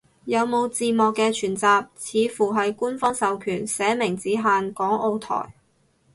有冇字幕嘅全集，似乎係官方授權，寫明只限港澳台